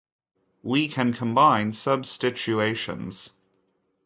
we can combine substitutions